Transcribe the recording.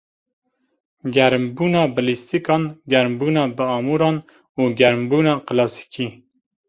Germbûna bi lîstikan, germbûna bi amûran û germbûna kilasîkî.